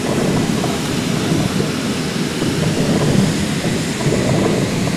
anikiwa kuingia mkataba na makampuni china mobile